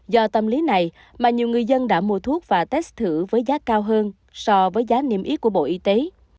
do tâm lý này mà nhiều người dân đã mua thuốc và test thử với giá cao hơn so với giá niêm yết của bộ y tế